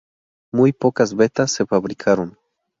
Muy pocas beta se fabricaron.